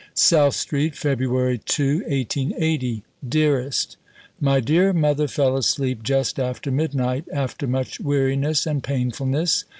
"SOUTH STREET, Feb. 2 . DEAREST My dear mother fell asleep just after midnight, after much weariness and painfulness.